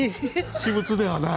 私物ではない？